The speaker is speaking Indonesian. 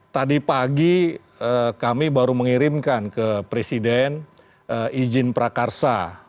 tadi pagi kami baru mengirimkan ke presiden izin prakarsa